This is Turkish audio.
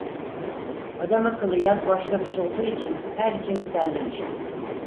Adamakıllı yaz başlamış olduğu için, herkes terlemişti.